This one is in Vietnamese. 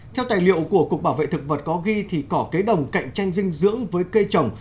theo tài liệu của cục bảo vệ thực vật có ghi thì cỏ kế đồng cạnh tranh dinh dưỡng với cây trồng